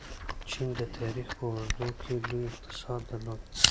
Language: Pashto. چین د تاریخ په اوږدو کې لوی اقتصاد درلود.